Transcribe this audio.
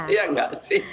iya nggak sih